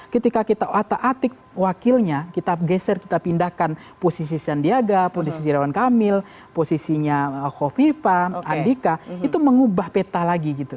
ketika kita atik atik wakilnya kita geser kita pindahkan posisi sandiaga posisi jerawan kamil posisinya hovipa andika itu mengubah peta lagi gitu